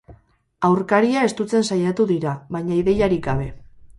Aurkaria estutzen saiatu dira, baina ideiarik gabe.